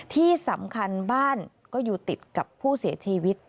ที่สำคัญบ้านก็อยู่ติดกับผู้เสียชีวิต